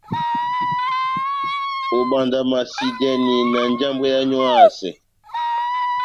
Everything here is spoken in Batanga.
Óbandamasidɛni na njambwɛ yáwu éhásɛ.